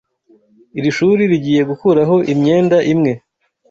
Iri shuri rigiye gukuraho imyenda imwe.